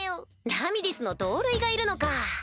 ラミリスの同類がいるのか。